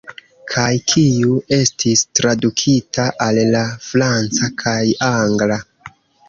Kaj kiu estis tradukita al la franca kaj angla.